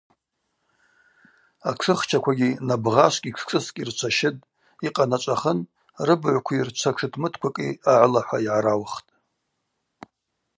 Атшыхчаквагьи набгъашвкӏи тшшӏыскӏи рчващытӏ, йкъаначӏвахын, рыбыгӏвкви рчва тшытмытквакӏи агӏылахӏва йгӏараухтӏ.